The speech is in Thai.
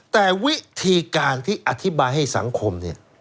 แต่วิธีการที่อธิบายให้สังคมเนี่ย